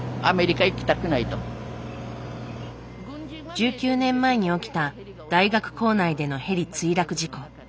１９年前に起きた大学構内でのヘリ墜落事故。